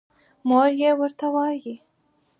مور يې ورته وايې